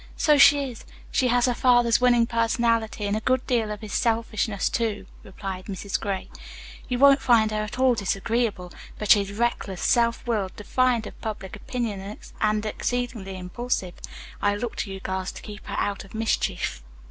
"So she is. She has her father's winning personality, and a good deal of his selfishness, too," replied Mrs. Gray. "You won't find her at all disagreeable. But she is reckless, self willed, defiant of public opinion and exceedingly impulsive. I look to you girls to keep her out of mischief."